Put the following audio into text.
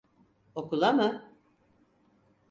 Okula mı?